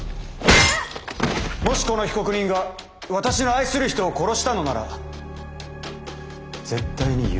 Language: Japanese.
もしこの被告人が私の愛する人を殺したのなら絶対に許さない。